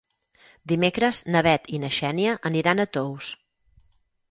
Dimecres na Bet i na Xènia aniran a Tous.